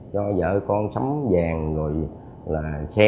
cho vợ con sắm vàng rồi là xe